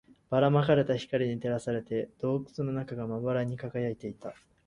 ばら撒かれた光に照らされて、洞窟の中がまばらに輝いていた